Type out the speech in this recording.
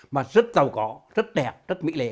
mà rất giàu gõ rất đẹp rất mỹ lệ